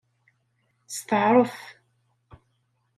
Steɛṛef.